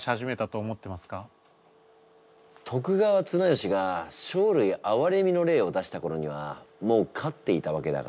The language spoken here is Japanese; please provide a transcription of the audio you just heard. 徳川綱吉が生類憐みの令を出した頃にはもう飼っていたわけだから。